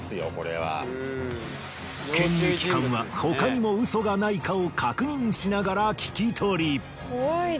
検疫官は他にも嘘がないかを確認しながら聞き取り。